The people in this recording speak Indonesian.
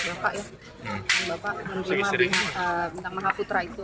bapak menggunakan bintang maha putra itu